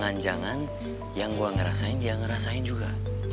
jangan jangan yang gue ngerasain dia ngerasain juga